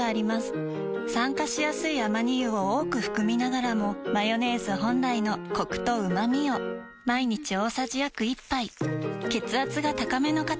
酸化しやすいアマニ油を多く含みながらもマヨネーズ本来のコクとうまみを毎日大さじ約１杯血圧が高めの方に機能性表示食品